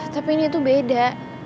tapi ini tuh beda